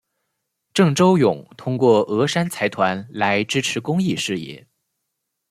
郑周永通过峨山财团来支持公益事业。